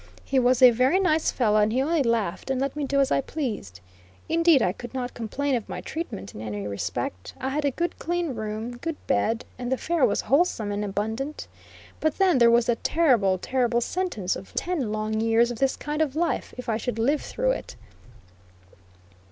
He was a very nice fellow and he only laughed and let me do as I pleased. Indeed, I could not complain of my treatment in any respect; I had a good clean room, good bed, and the fare was wholesome and abundant. But then, there was that terrible, terrible sentence of ten long years of this kind of life, if I should live through it.